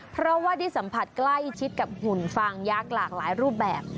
เพราะว่าได้สัมผัสใกล้ชิดกับหุ่นฟางยักษ์หลากหลายรูปแบบ